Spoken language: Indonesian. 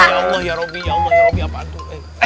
ya allah ya rabbi ya allah ya rabbi apaan itu